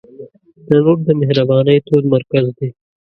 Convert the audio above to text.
تنور د مهربانۍ تود مرکز دی